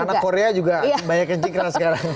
anak anak korea juga banyak yang cingkrang sekarang